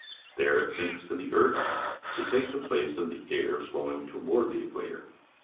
There it sinks to the earth to take the place of the air flowing toward the equator.